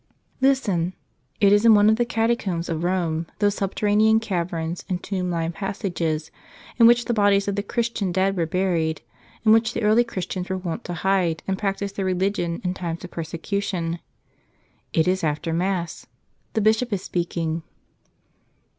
Listen. It is in one of the catacombs of Rome, those subterranean caverns and tomb lined passages in which the bodies of the Christian dead were buried, in which the early Christians were wont to hide and practice their religion in times of persecution. It is after Mass. The Bishop is speaking.